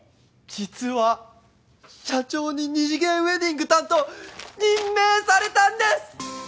実は社長に二次元ウェディング担当任命されたんです！